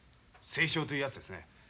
政商というやつですね。